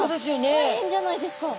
大変じゃないですか！